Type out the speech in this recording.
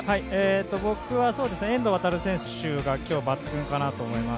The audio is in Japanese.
僕は、遠藤航選手が今日、抜群かなと思います。